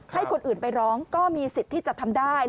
ให้คนอื่นไปร้องก็มีสิทธิ์ที่จะทำได้